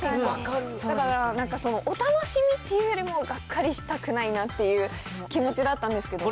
だから、お楽しみっていうよりも、がっかりしたくないなっていう気持ちだったんですけど。